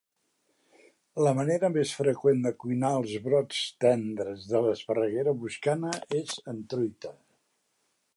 La manera més freqüent de cuinar els brots tendres de l'esparreguera boscana és en truita.